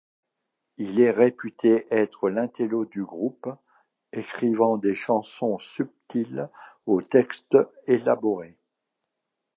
Il est réputé être l'intello du groupe, écrivant des chansons subtiles aux textes élaborés.